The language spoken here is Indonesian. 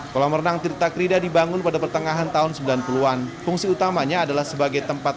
kolam renang tirta krida dibangun pada pertengahan tahun sembilan puluh an fungsi utamanya adalah sebagai tempat